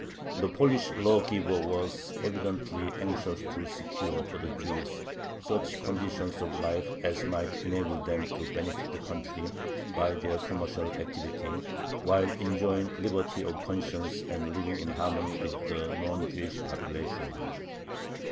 The Polish lawgiver was evidently anxious to secure for the Jews such conditions of life as might enable them to benefit the country by their commercial activity, while enjoying liberty of conscience and living in harmony with the non Jewish population.